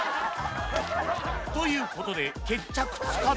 という事で決着つかず